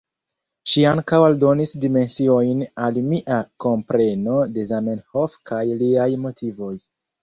Ŝi ankaŭ aldonis dimensiojn al mia kompreno de Zamenhof kaj liaj motivoj.